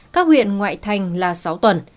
các huyện ngoại thành là sáu tuần